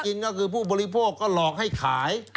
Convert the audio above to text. กินก็คือผู้บริโภคก็หลอกให้ขาย